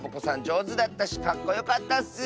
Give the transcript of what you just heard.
じょうずだったしかっこよかったッス！